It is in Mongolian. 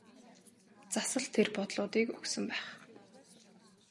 Цас л тэр бодлуудыг өгсөн байх.